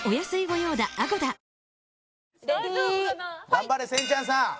頑張れせんちゃんさん！